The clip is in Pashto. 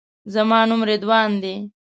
زما نوم رضوان دی.